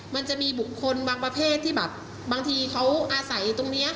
มันจะมีบุคคลบางประเภทที่แบบบางทีเขาอาศัยตรงนี้